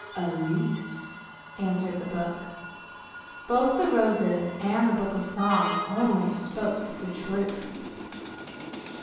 "Elise!" answered the book. Both the roses and the book of Psalms only spoke the truth.